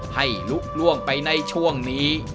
ให้ลุกล่วงไปในช่วงนี้